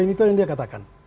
yang pertama yang dia katakan